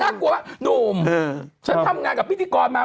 น่ากลัวมากตายน่ากลัวมาก